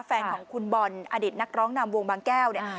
แฟนของคุณบอลอดิตนักร้องนำวงบางแก้วเนี่ย